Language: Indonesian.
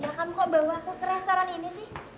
satria kamu kok bawa aku ke restoran ini sih